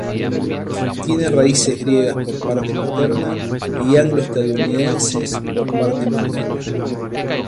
Tiene raíces griegas por parte paterna y anglo-estadounidenses por parte materna.